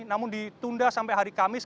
namun ditunda sampai hari kamis